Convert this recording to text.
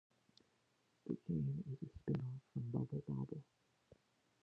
The game is a spin-off from "Bubble Bobble".